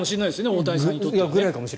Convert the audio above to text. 大谷さんにとっては。